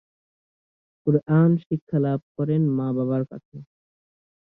কুরআন শিক্ষা লাভ করেন মা এবং দাদার কাছে।